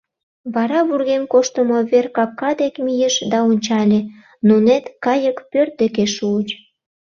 Вара вургем коштымо вер капка дек мийыш да ончале: нунет кайык пӧрт деке шуыч.